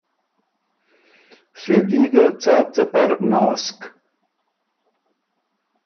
سېلي ګه څاک څپر ناسک